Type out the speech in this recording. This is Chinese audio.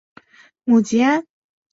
母吉安。